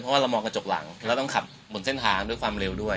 เพราะว่าเรามองกระจกหลังเราต้องขับบนเส้นทางด้วยความเร็วด้วย